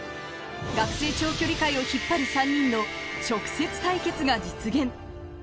学生長距離界を引っ張る３人の直接対決が実現。